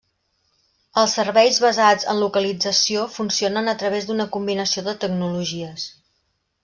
Els Serveis Basats en Localització funcionen a través d'una combinació de tecnologies.